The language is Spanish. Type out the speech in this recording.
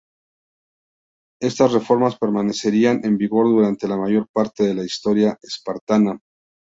Estas reformas permanecerían en vigor durante la mayor parte de la historia espartana.